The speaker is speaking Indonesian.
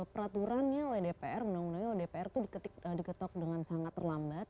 peraturannya oleh dpr undang undangnya oleh dpr itu diketok dengan sangat terlambat